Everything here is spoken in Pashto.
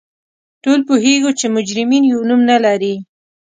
ټول پوهیږو چې مجرمین یو نوم نه لري